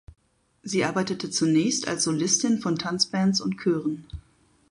Sie arbeitete zunächst als Solistin von Tanzbands und Chören.